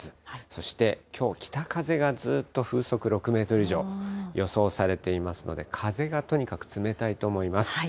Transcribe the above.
そして、きょう北風がずっと風速６メートル以上予想されていますので、風がとにかく冷たいと思います。